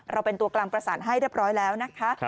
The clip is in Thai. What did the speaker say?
เราเป็นตัวกลางประสานให้เรียบร้อยแล้วนะคะ